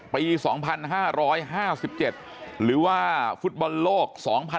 ปี๒๕๕๗หรือว่าฟุตบอลโลก๒๐๑๖